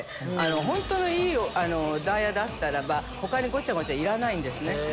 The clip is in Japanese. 本当のいいダイヤだったらば他にごちゃごちゃいらないんですね。